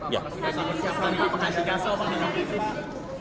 pak pengganti kaso belum ada